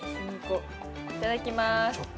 ◆いただきます。